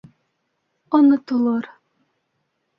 Онотолор...